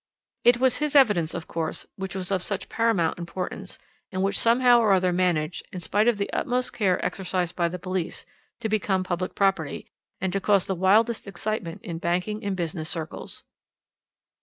"It was his evidence, of course, which was of such paramount importance, and which somehow or other managed, in spite of the utmost care exercised by the police, to become public property, and to cause the wildest excitement in banking and business circles.